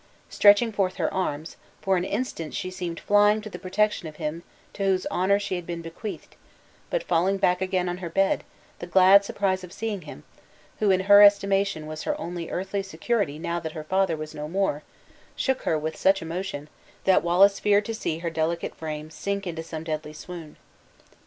Stretching forth her arms, for an instant she seemed flying to the protection of him to whose honor she had been bequeathed; but falling back again on her bed, the glad surprise of seeing him, who in her estimation was her only earthly security now that her father was no more, shook her with such emotion, that Wallace feared to see her delicate frame sink into some deadly swoon.